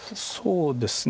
そうですね。